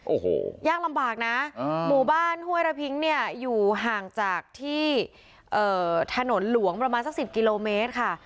โอ้โหยากลำบากนะหมู่บ้านห้วยระพิ้งเนี่ยอยู่ห่างจากที่ถนนหลวงประมาณสัก๑๐กิโลเมตรค่ะ